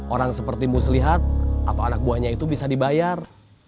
orang seperti muslihat atau anak buahnya itu bisa dibayar